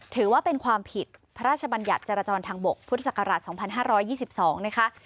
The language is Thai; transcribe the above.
ถือว่าเป็นความผิดพระราชบัญญัติจรจรทางบกพุทธศักราช๒๕๒๒นะคะ